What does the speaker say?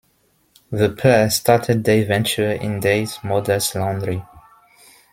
The pair started their venture in their mother's laundry.